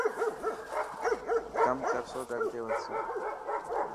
ڪم ڪرسو ته اڳتي وڌسو.